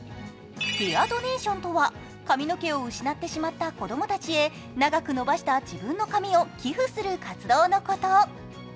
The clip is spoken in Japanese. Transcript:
ヘアドネーションとは髪の毛を失ってしまった子供たちへ長く伸ばした自分の髪を寄付する活動のこと。